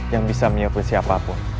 yang bisa menyebut siapa pun